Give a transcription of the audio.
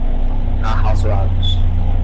arrazoados